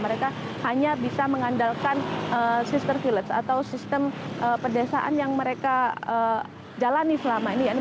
mereka hanya bisa mengandalkan sister village atau sistem pedesaan yang mereka jalani selama ini